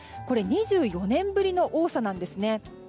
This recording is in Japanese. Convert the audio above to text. これ、２４年ぶりの多さなんですね。